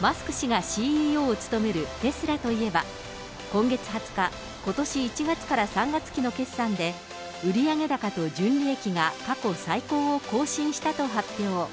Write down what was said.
マスク氏がＣＥＯを務めるテスラといえば、今月２０日、ことし１月から３月期の決算で、売上高と純利益が過去最高を更新したと発表。